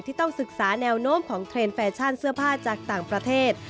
ต้องศึกษาแนวโน้มของเทรนด์แฟชั่นเสื้อผ้าจากต่างประเทศ